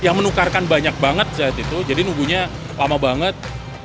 yang menukarkan banyak banget saat itu jadi nunggunya lama banget